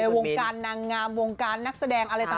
วงการนางงามวงการนักแสดง